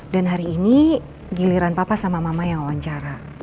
dan hari ini giliran papa sama mama yang wawancara